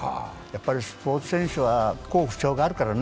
スポーツ選手は好不調があるからね。